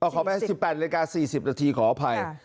อ้อขอแม้๑๘หลีกา๔๐นาทีขออภัย